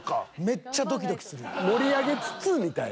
めっちゃドキドキするよ。